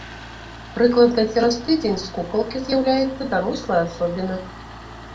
Прыкладна цераз тыдзень з кукалкі з'яўляецца дарослая асобіна.